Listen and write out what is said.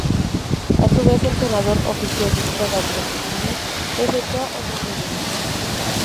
A su vez el senador oficialista Daniel Filmus presentó otro proyecto.